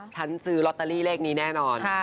ซื้อลอตเตอรี่เลขนี้แน่นอน